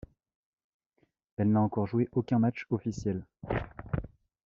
Elle n'a encore joué aucun match officiel.